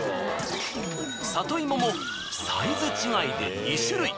さといももサイズ違いで２種類。